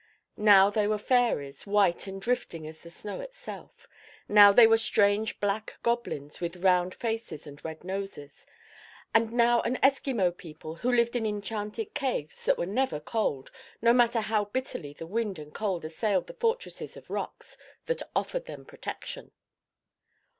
Now they were fairies, white and drifting as the snow itself; now they were strange black goblins with round faces and red noses; and now an Eskimo people who lived in enchanted caves that never were cold, no matter how bitterly the wind and cold assailed the fortresses of rocks that offered them protection.